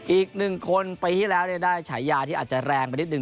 อีกหนึ่งคนปีที่แล้วได้ฉายาที่อาจจะแรงไปนิดนึ